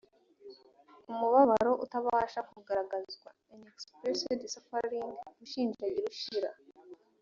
umubabaro utabasha kugaragazwa unexpressed suffering gushinjagira ushira